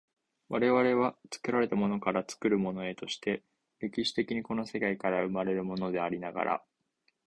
我々は作られたものから作るものへとして、歴史的にこの世界から生まれるものでありながら、